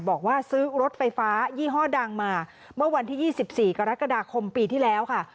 บอกว่าซื้อรถไฟฟ้ายี่ห้อดังมาเมื่อวันที่๒๔กรกฎาคมปีที่แล้วค่ะ